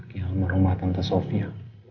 anaknya sama rumah tante sofia